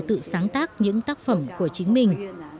tự sáng tác những tác phẩm của chính mình